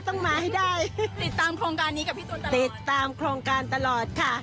ต้องมาให้ได้ติดตามโครงการนี้กับพี่ตูนติดตามโครงการตลอดค่ะ